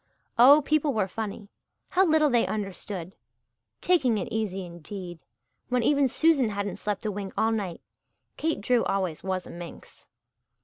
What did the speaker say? Oh, people were funny! How little they understood. "Taking it easy," indeed when even Susan hadn't slept a wink all night! Kate Drew always was a minx.